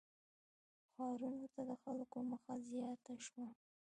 • ښارونو ته د خلکو مخه زیاته شوه.